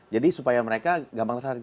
jadi supaya mereka gampang terserahin